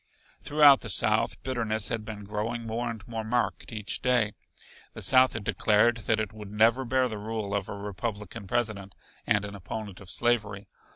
Throughout the South, bitterness had been growing more and more marked each day. The South had declared that it would never bear the rule of a Republican President and an opponent of slavery.